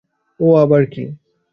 ও আবার কী?